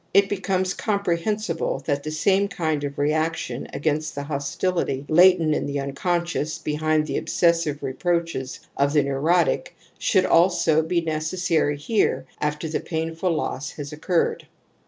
it becomes comprehensible that the same kind of reaction against the hostility latent in the imcon scious behind the obsessive reproaches of the neurotic should also be necessary here after the painful loss has occurred.